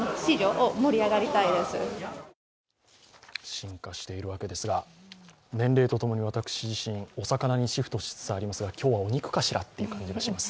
進化しているわけですが年齢とともに私自身お魚にシフトしつつありますが今日はお肉かしらという気がします。